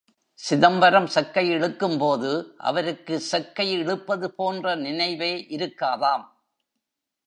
சிதம்பரம் செக்கை இழுக்கும் போது, அவருக்கு செக்கை இழுப்பது போன்ற நினைவே இருக்காதாம்.